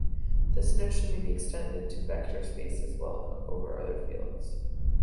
This notion may be extended to vector spaces over other fields.